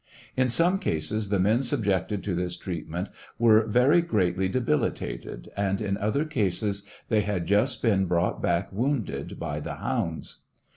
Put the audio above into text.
In some cases the men subjected to this treatment wcrg very greatly debilitated, and in other cases they had just been brought back wounded by the hounds.